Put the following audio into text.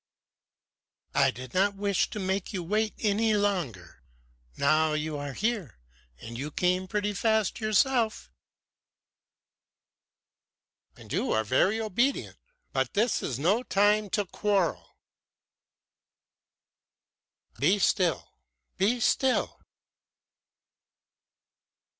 "I did not wish to make you wait any longer. Now we are here. And you came pretty fast yourself." "And you are very obedient! But this is no time to quarrel." "Be still! Be still!"